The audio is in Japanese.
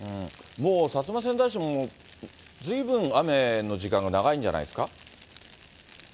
もう薩摩川内市もずいぶん雨の時間が長いんじゃないですか。